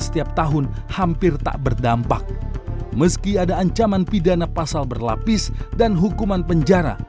setiap tahun hampir tak berdampak meski ada ancaman pidana pasal berlapis dan hukuman penjara